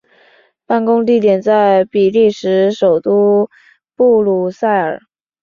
办公地点在比利时首都布鲁塞尔。